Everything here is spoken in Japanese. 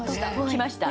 来ました？